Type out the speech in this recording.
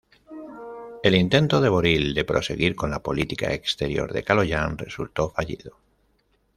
El intento de Boril de proseguir con la política exterior de Kaloyan resultó fallido.